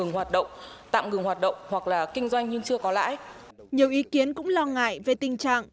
nhiều ý kiến cũng lo ngại về tình trạng